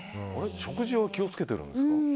食事は気を付けてるんですか？